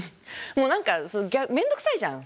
もう何か面倒くさいじゃん。